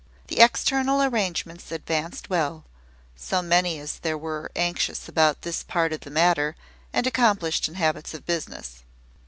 The external arrangements advanced well, so many as there were anxious about this part of the matter, and accomplished in habits of business.